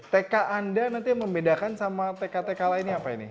tk anda nanti yang membedakan sama tk tk lainnya apa ini